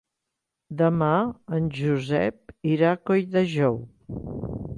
Demà en Josep irà a Colldejou.